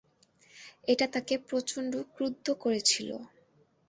এটা তাকে প্রচণ্ড ক্রুদ্ধ করেছিল।